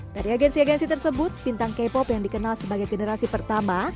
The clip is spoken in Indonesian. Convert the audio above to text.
dari agensi agensi tersebut bintang k pop yang dikenal sebagai generasi pertama